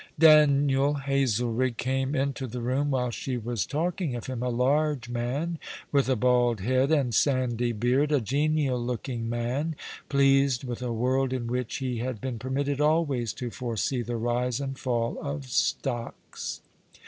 Daniel Hazelrigg came into the room while she was talking of him, a large man, with a bald head and sandy beard, a genial looking man, pleased with a world in which he had been permitted always to foresee the rise and fall of stocks.